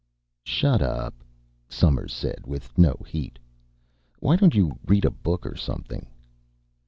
"Shut up," Somers said, with no heat. "Why don't you read a book or something?"